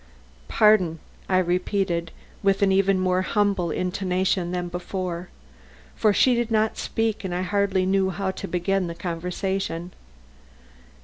"Pardon," I repeated, with even a more humble intonation than before, for she did not speak and I hardly knew how to begin the conversation.